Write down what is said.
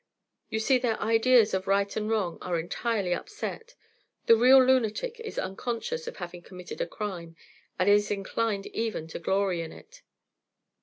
You see their ideas of right and wrong are entirely upset; the real lunatic is unconscious of having committed a crime, and is inclined even to glory in it."